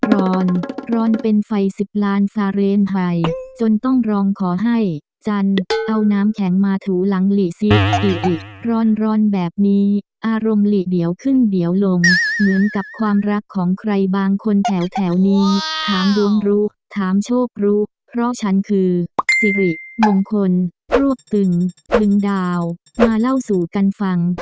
ร้อนร้อนเป็นไฟสิบล้านซาเรนไฟจนต้องร้องขอให้จันทร์เอาน้ำแข็งมาถูหลังหลีซิอิอิร้อนแบบนี้อารมณ์หลีเดี๋ยวขึ้นเดี๋ยวลงเหมือนกับความรักของใครบางคนแถวนี้ถามดวงรู้ถามโชครู้เพราะฉันคือสิริมงคลรวบตึงตึงดาวมาเล่าสู่กันฟัง